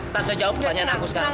tante jawab pertanyaan aku sekarang